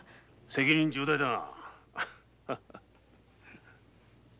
責任重大だな。